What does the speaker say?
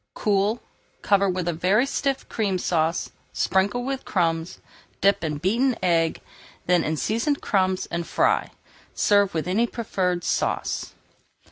Cool, cover with a very stiff Cream Sauce, sprinkle with crumbs, dip in beaten egg, then in seasoned crumbs, and fry. Serve with any preferred sauce.